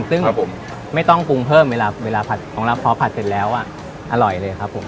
ซึ่งไม่ต้องปรุงเพิ่มเวลาผัดของเราพอผัดเสร็จแล้วอ่ะอร่อยเลยครับผม